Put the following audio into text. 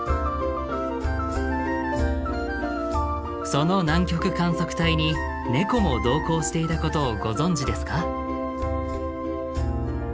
その南極観測隊にネコも同行していたことをご存じですか？